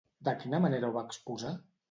De quina manera ho va exposar?